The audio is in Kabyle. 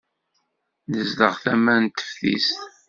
Nezdeɣ tama n teftist.